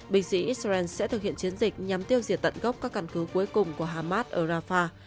binh sĩ israel sẽ thực hiện chiến dịch nhằm tiêu diệt tận gốc các căn cứ cuối cùng của hamas ở rafah